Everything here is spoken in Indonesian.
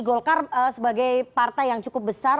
golkar sebagai partai yang cukup besar